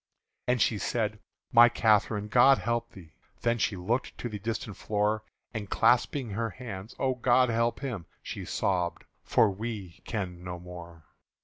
And she said, "My Catherine, God help thee!" Then she looked to the distant floor, And clapsing her hands, "O God help him," She sobbed, "for we can no more!"